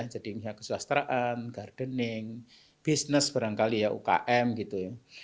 jadi keselastraan gardening bisnis barangkali ya ukm gitu